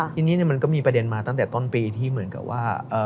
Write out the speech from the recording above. ทีนี้มันก็มีประเด็นมาตั้งแต่ต้นปีที่เหมือนกับว่า